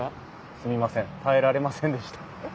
すみません耐えられませんでした。